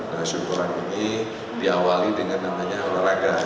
nah syukuran ini diawali dengan namanya olahraga